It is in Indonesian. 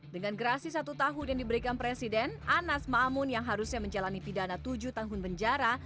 dengan grasi satu tahun yang diberikan presiden anas mamun yang harusnya menjalani pidana tujuh tahun penjara